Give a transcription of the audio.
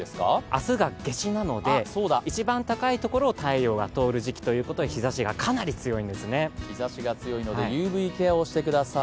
明日が夏至なので、一番高いところを太陽が通る時期ということで日ざしが強いのでＵＶケアをしてください。